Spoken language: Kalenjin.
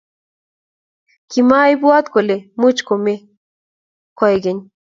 Kimaibwoti kole much komeny koekeny